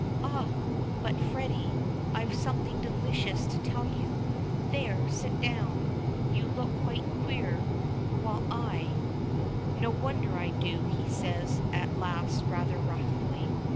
"Ah! but, Freddy, I've something delicious to tell you. There sit down there, you look quite queer, while I " "No wonder I do," says he, at last rather wrathfully.